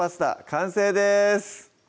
完成です